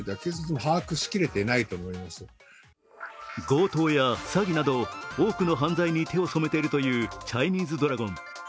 強盗や詐欺など多くの犯罪に手を染めているというチャイニーズドラゴン。